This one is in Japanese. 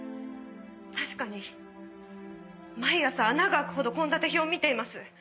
確かに毎朝穴が開くほど献立表を見ています。